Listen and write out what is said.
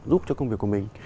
giúp cho công việc của mình